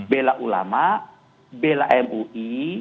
bela ulama bela mui